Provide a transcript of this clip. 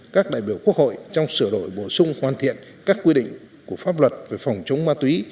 các đại biểu quốc hội trong sửa đổi bổ sung hoàn thiện các quy định của pháp luật về phòng chống ma túy